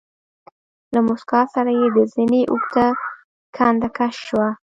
له موسکا سره يې د زنې اوږده کنده کش شوه.